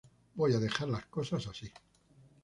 Voy a dejar las cosas así"".